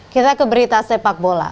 kita ke berita sepak bola